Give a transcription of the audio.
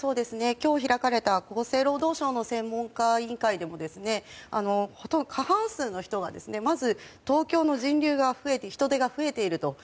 今日開かれた厚生労働省の専門家委員会でも過半数の人がまず東京の人流人出が増えていると。